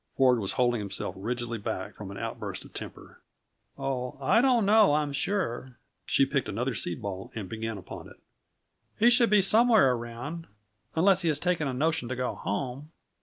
Ford was holding himself rigidly hack from an outburst of temper. "Oh, I don't know, I'm sure." She picked another seed ball and began upon it. "He should be somewhere around, unless he has taken a notion to go home."